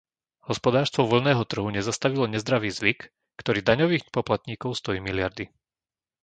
Hospodárstvo voľného trhu nezastavilo nezdravý zvyk, ktorý daňových poplatníkov stojí miliardy.